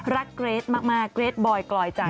เกรทมากเกรทบอยกลอยใจ